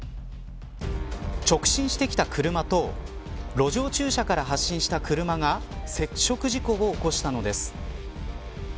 直進してきた車と路上駐車から発進した車が接触事故を起こしたのです。